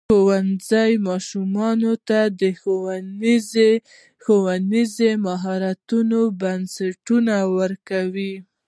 ښوونځی ماشومانو ته د ښوونیزو مهارتونو بنسټونه ورکوي.